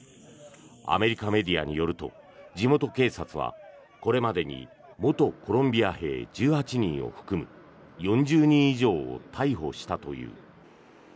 アメリカメディアによると地元警察はこれまでに元コロンビア兵１８人を含む４０人以上を逮捕したという。